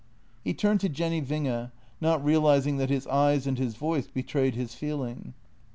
He turned to Jenny Winge, not realizing that his eyes and his voice betrayed his feeling.